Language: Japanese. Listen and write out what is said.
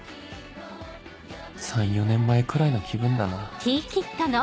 ３４年前くらいの気分だな